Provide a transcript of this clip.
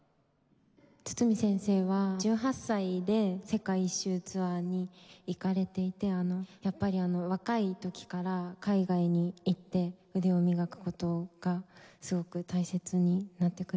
堤先生は１８歳で世界一周ツアーに行かれていてやっぱり若い時から海外に行って腕を磨く事がすごく大切になってくるんでしょうか？